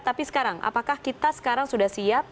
tapi sekarang apakah kita sekarang sudah siap